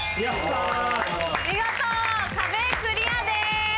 見事壁クリアです。